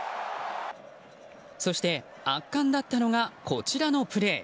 そして圧巻だったのがこちらのプレー。